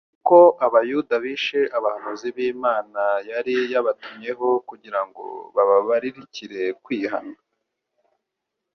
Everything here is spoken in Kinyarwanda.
niko n’abayuda bishe abahanuzi b’Imana yari yabatumyeho kugira ngo babararikire kwihana.